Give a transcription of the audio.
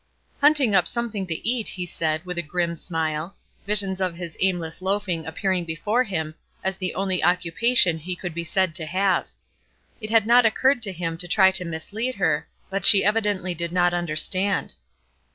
"Hunting up something to eat," he said, with a grim smile; visions of his aimless loafing appearing before him as the only occupation he could be said to have. It had not occurred to him to try to mislead her, but she evidently did not understand.